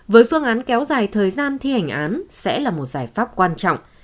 với phương án kéo dài thời gian thi hành án sẽ là một giải pháp quan trọng